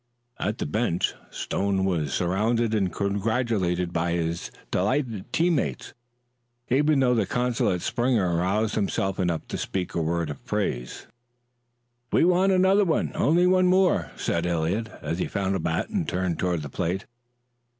At the bench Stone was surrounded and congratulated by his delighted teammates. Even the disconsolate Springer aroused himself enough to speak a word of praise. "We want another one only one more," said Eliot, as he found a bat and turned toward the plate.